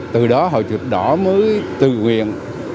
từ đó hội dịch đỏ mới tự nguyện